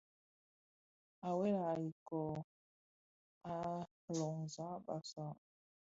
À wela kifog, à lômzàg bàsàg.